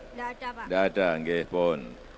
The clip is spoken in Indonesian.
enggak ada pak enggak ada ngehbun